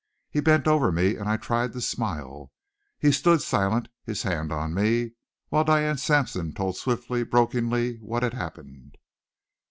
He bent over me and I tried to smile. He stood silent, his hand on me, while Diane Sampson told swiftly, brokenly, what had happened.